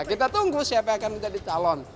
kita tunggu siapa yang akan menjadi calon